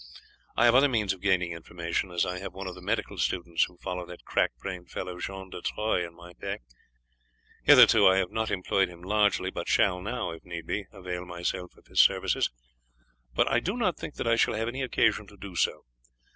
I have other means of gaining information, as I have one of the medical students who follow that cracked brained fellow, John de Troyes, in my pay. Hitherto I have not employed him largely, but shall now, if need be, avail myself of his services. But I do not think that I shall have any occasion to do so.